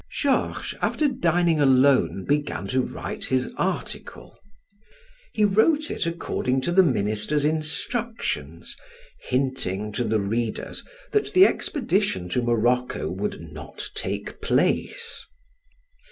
Georges, after dining alone, began to write his article. He wrote it according to the minister's instructions, hinting to the readers that the expedition to Morocco would not take place.